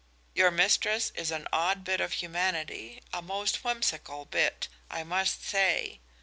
Your mistress is an odd bit of humanity, a most whimsical bit, I must say.